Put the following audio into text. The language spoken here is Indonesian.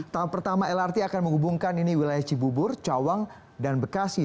tahap pertama lrt akan menghubungkan ini wilayah cibubur cawang dan bekasi